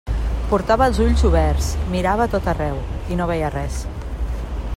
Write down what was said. Portava els ulls oberts, mirava a tot arreu, i no veia res.